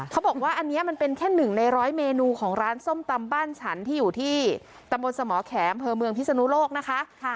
เขาบอกว่าอันนี้มันเป็นแค่หนึ่งในร้อยเมนูของร้านส้มตำบ้านฉันที่อยู่ที่ตำบลสมแขมอำเภอเมืองพิศนุโลกนะคะ